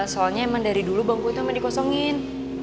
soalnya emang dari dulu bangku itu emang dikosongin